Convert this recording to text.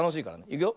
いくよ。